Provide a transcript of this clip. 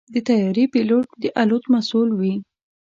د طیارې پيلوټ د الوت مسؤل وي.